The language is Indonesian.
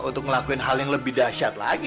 untuk ngelakuin hal yang lebih dahsyat lagi